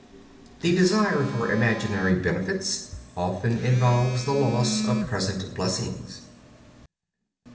The desire for imaginary benefits often involves the loss of present blessings.